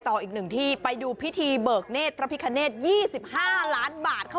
ต่ออีกหนึ่งที่ไปดูพิธีเบิกเนธพระพิคเนต๒๕ล้านบาทค่ะ